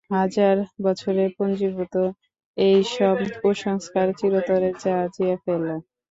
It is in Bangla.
হাজার বছরের পুঞ্জীভূত এইসব কুসংস্কার চিরতরে ঝাড়িয়া ফেল।